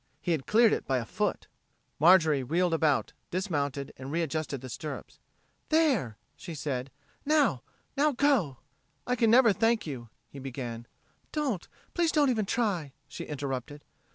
He had cleared it by a foot. Marjorie wheeled about, dismounted, and readjusted the stirrups. "There!" she said. "Now now, go." "I can never thank you," he began. "Don't please don't even try," she interrupted.